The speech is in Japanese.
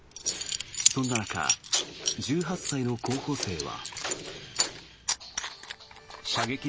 そんな中、１８歳の候補生は。